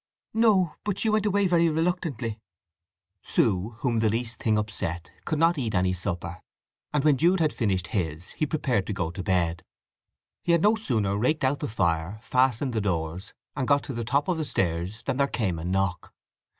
"No. But she went away very reluctantly." Sue, whom the least thing upset, could not eat any supper, and when Jude had finished his he prepared to go to bed. He had no sooner raked out the fire, fastened the doors, and got to the top of the stairs than there came a knock.